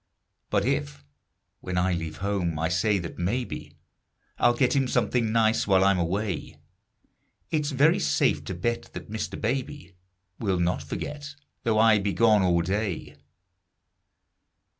But if, when I leave home, I say that maybe I'll get him something nice while I'm away, It's very safe to bet that Mr. Baby Will not forget, though I be gone all day.